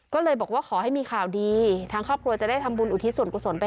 ก็เลยบอกว่าขอให้มีข่าวดีทางครอบครัวจะได้ทำบุญอุทิศส่วนกุศลไป